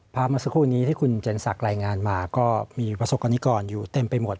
เมื่อสักครู่นี้ที่คุณเจนศักดิ์รายงานมาก็มีประสบกรณิกรอยู่เต็มไปหมด